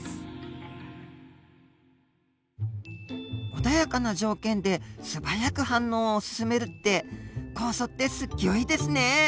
穏やかな条件で素早く反応を進めるって酵素ってすっギョいですね。